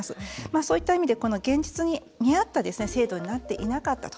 そういった意味で現実に見合った制度になっていなかったと。